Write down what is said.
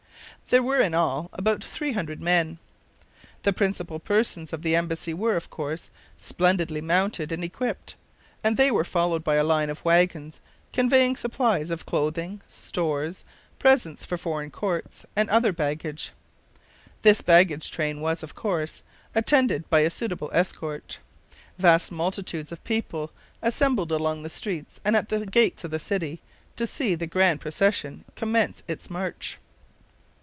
There were in all about three hundred men. The principal persons of the embassy were, of course, splendidly mounted and equipped, and they were followed by a line of wagons conveying supplies of clothing, stores, presents for foreign courts, and other baggage. This baggage train was, of course, attended by a suitable escort. Vast multitudes of people assembled along the streets and at the gates of the city to see the grand procession commence its march.